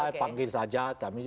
ya panggil saja kami